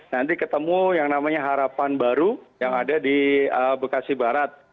nanti ketemu yang namanya harapan baru yang ada di bekasi barat